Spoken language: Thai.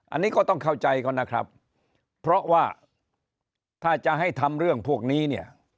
อันนี้ก็ต้องเข้าใจก่อนนะครับเพราะว่าถ้าจะให้ทำเรื่องพวกนี้เนี่ย